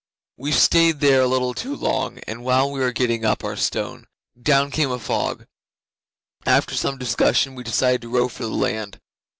'We stayed there a little too long, and while we were getting up our stone, down came the fog. After some discussion, we decided to row for the land.